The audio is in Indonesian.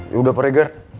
yaudah pak regar